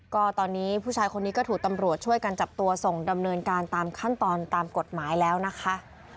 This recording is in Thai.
ก็ตอนนี้ผู้ชายคนนี้ก็ถูกตำรวจช่วยกันจับตัวส่งดำเนินการตามขั้นตอนตามกฎหมายแล้วนะคะ